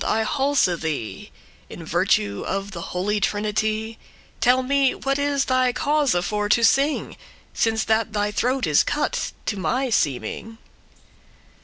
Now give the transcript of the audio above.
I halse* thee, *implore <12> In virtue of the holy Trinity; Tell me what is thy cause for to sing, Since that thy throat is cut, to my seeming."